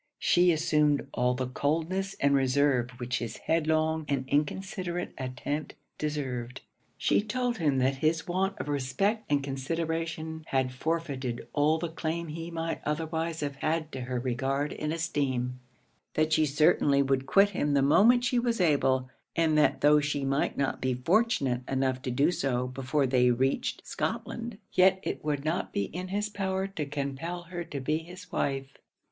She assumed all the coldness and reserve which his headlong and inconsiderate attempt deserved. She told him that his want of respect and consideration had forfeited all the claim he might otherwise have had to her regard and esteem; that she certainly would quit him the moment she was able; and that tho' she might not be fortunate enough to do so before they reached Scotland, yet it would not be in his power to compel her to be his wife.